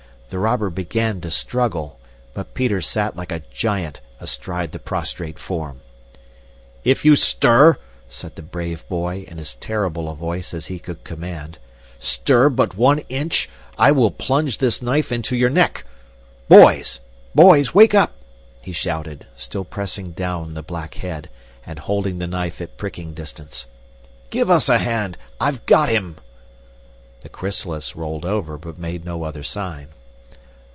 The robber began to struggle, but Peter sat like a giant astride the prostrate form. "If you stir," said the brave boy in as terrible a voice as he could command, "stir but one inch, I will plunge this knife into your neck. Boys! Boys! Wake up!" he shouted, still pressing down the black head and holding the knife at pricking distance. "Give us a hand! I've got him!" The chrysalis rolled over, but made no other sign.